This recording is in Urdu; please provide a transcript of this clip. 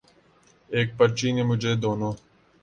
ایک پرچی نے مجھے دونوں